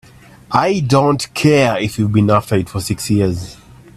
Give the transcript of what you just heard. I don't care if you've been after it for six years!